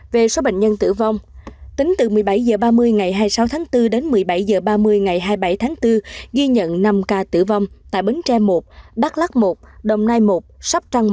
về số bệnh nhân tử vong tính từ một mươi bảy h ba mươi ngày hai mươi sáu tháng bốn đến một mươi bảy h ba mươi ngày hai mươi bảy tháng bốn